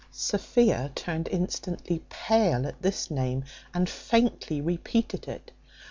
Sophia turned instantly pale at this name, and faintly repeated it.